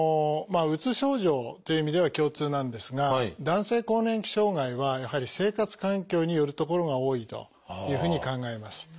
うつ症状という意味では共通なんですが男性更年期障害はやはり生活環境によるところが多いというふうに考えます。